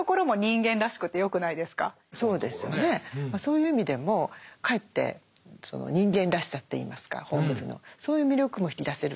そういう意味でもかえってその人間らしさっていいますかホームズのそういう魅力も引き出せる。